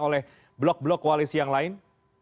oleh blok blok koalisi yang lain